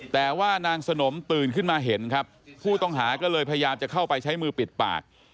แต่ว่านางสนมตื่นขึ้นมาเห็นครับผู้ต้องหาก็เลยพยายามจะเข้าไปใช้มือปิดปาก